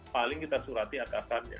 paling kita surati akasannya